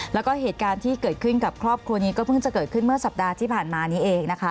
แล้วก็เหตุการณ์ที่เกิดขึ้นกับครอบครัวนี้ก็เพิ่งจะเกิดขึ้นเมื่อสัปดาห์ที่ผ่านมานี้เองนะคะ